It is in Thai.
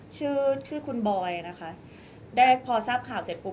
ชื่อคุณบอยพอทราบข่าวเสร็จปุ๊บ